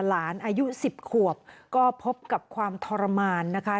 อายุ๑๐ขวบก็พบกับความทรมานนะคะ